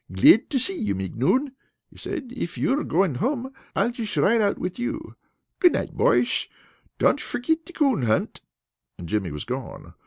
"Glad to see you, Micnoun," he said. "If you are goingsh home, I'll jish ride out with you. Good night, boysh. Don't forgetsh the coon hunt," and Jimmy was gone.